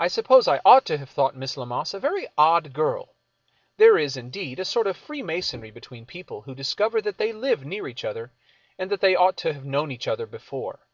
I suppose I ought to have thought Miss Lammas a very odd girl. There is, indeed, a sort of freemasonry between people who discover that they live near each other and that they ought to have known each other before.